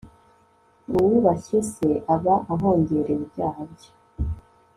uwubashye se, aba ahongereye ibyaha bye